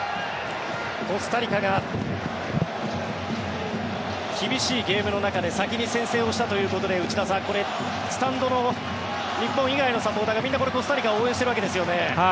コスタリカが厳しいゲームの中で先に先制をしたということで内田さん、スタンドの日本以外のサポーターがみんなこれコスタリカを応援しているわけですよね。